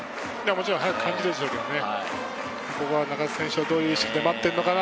もちろん速く感じるでしょうけどね。